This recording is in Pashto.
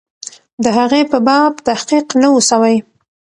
د هغې په باب تحقیق نه وو سوی.